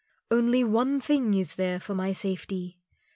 "One only thing is there for my safety.